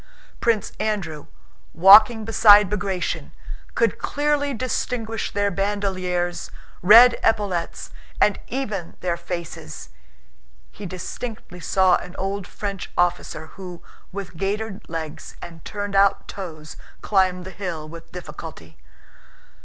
Prince Andrew, walking beside Bagratión, could clearly distinguish their bandoliers, red epaulets, and even their faces. (He distinctly saw an old French officer who, with gaitered legs and turned out toes, climbed the hill with difficulty.)